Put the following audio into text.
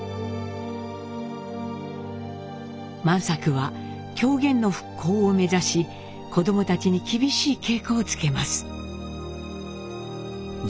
万作は狂言の復興を目指し子供たちに厳しい稽古をつけます。